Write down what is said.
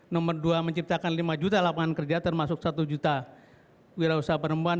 nomor dua menciptakan lima juta lapangan kerja termasuk satu juta wira usaha perempuan